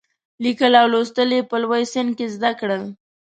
لیکل او لوستل یې په لوی سن کې زده کړل.